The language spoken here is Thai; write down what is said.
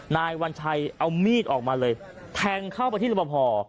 นายวัญชัยเอามีดออกมาเลยแทงเข้าไปที่รบพอ